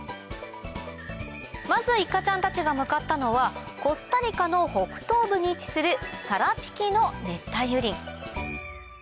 まずいかちゃんたちが向かったのはコスタリカの北東部に位置するサラピキの熱帯雨林